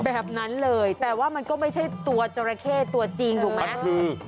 แบบนั้นเลยแต่ว่ามันก็ไม่ใช่ตัวจอราเคจริงครับ